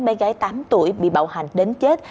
mấy gái tám tuổi bị bạo hành đến chết